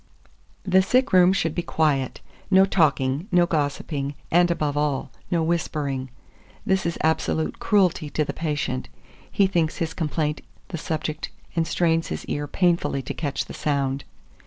2423. The sick room should be quiet; no talking, no gossiping, and, above all, no whispering, this is absolute cruelty to the patient; he thinks his complaint the subject, and strains his ear painfully to catch the sound.